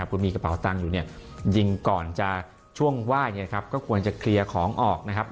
คุณมีกระเป๋าตังค์อยู่เนี่ยยิงก่อนจะช่วงไหว้เนี่ยครับก็ควรจะเคลียร์ของออกนะครับ